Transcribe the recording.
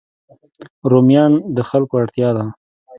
رومیان د خلکو اړتیا ده